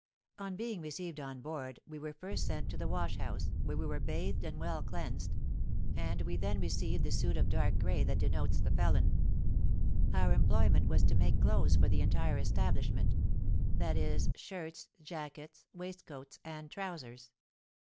On being received on board we were first sent to the wash house, where we were bathed and well cleansed; and we then received the suit of dark grey that denotes the felon. Our employment was to make clothes for the entire establishment: that is, shirts, jackets, waistcoats, and trousers.